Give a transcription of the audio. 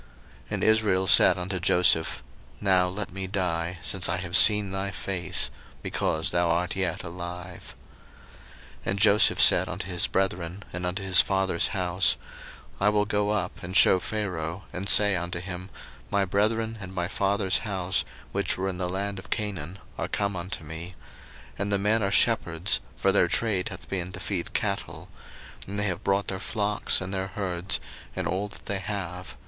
01:046:030 And Israel said unto Joseph, Now let me die, since I have seen thy face, because thou art yet alive. 01:046:031 And Joseph said unto his brethren, and unto his father's house, I will go up, and shew Pharaoh, and say unto him, My brethren, and my father's house, which were in the land of Canaan, are come unto me; 01:046:032 And the men are shepherds, for their trade hath been to feed cattle; and they have brought their flocks, and their herds, and all that they have.